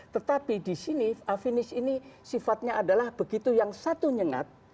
tetapi di sini afinis ini sifatnya adalah begitu yang satu nyengat